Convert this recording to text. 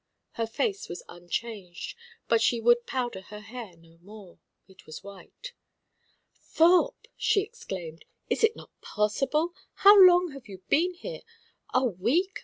Her face was unchanged, but she would powder her hair no more. It was white. "Thorpe!" she exclaimed. "It is not possible? How long have you been here? A week!